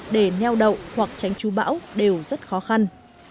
để nheo đậu hoặc tránh chú bão đều rất khó khăn